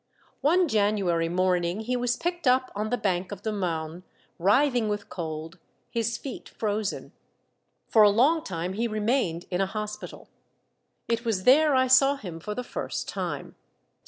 One January morning he was picked up on the bank of the Marne, writhing with cold, his feet frozen. For a long time he remained in a hospital. It was there I saw him for the first time.